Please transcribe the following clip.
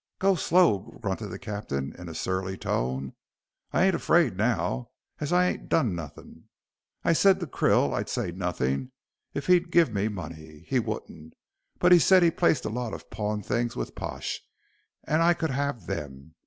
"Go slow," grunted the captain, in a surly tone. "I ain't afraid now, as I ain't done nothing. I said to Krill I'd say nothin' if he'd give me money. He wouldn't, but said he'd placed a lot of pawned things with Pash, and I could have them.